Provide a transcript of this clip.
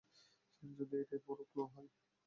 যদি এটাই পুরো ক্লু হয়?